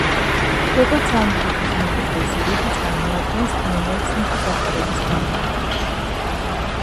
როგორც ამ ჯგუფის მუსიკოსი, იგი წარმოადგენს პიონერს სინთეზატორების გამოყენებაში.